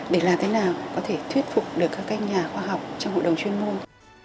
để làm thế nào có thể thuyết phục được các nhà khoa học trong hội đồng chuyên môn